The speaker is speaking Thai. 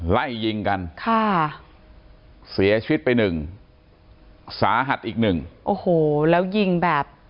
ไล่ยิงกันค่ะเสียชีวิตไปหนึ่งสาหัสอีกหนึ่งโอ้โหแล้วยิงแบบ